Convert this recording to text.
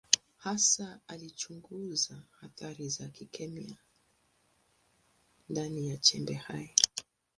Hasa alichunguza athari za kikemia ndani ya chembe hai.